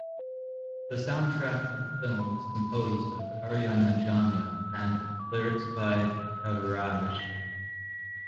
The soundtrack of the film is composed by Arjun Janya and lyrics by Kaviraj.